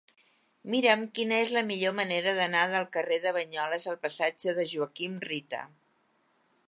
Mira'm quina és la millor manera d'anar del carrer de Banyoles al passatge de Joaquim Rita.